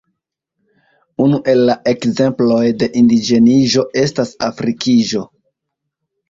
Unu el la ekzemploj de indiĝeniĝo estas afrikiĝo (antaŭenigo de afrikaj kulturoj).